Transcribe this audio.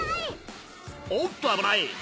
おっと危ない！